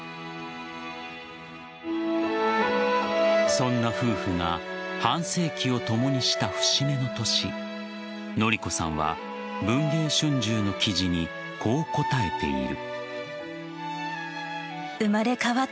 そんな夫婦が半世紀を共にした節目の年典子さんは「文藝春秋」の記事にこう答えている。